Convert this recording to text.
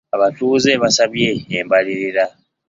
Abatuuze baasabye embalirira.